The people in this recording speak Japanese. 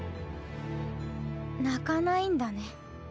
泣かないんだね。